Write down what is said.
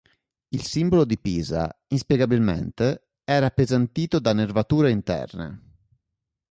Il simbolo di Pisa, inspiegabilmente, era appesantito da nervature interne.